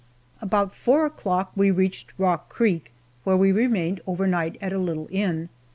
About four o'clock we reached Rock Creek, where we remained overnight at a little inn.